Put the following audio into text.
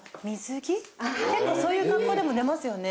結構そういう格好でも出ますよね。